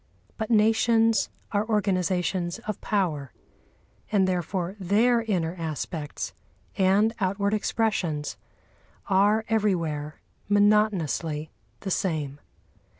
But nations are organisations of power, and therefore their inner aspects and outward expressions are everywhere monotonously the same.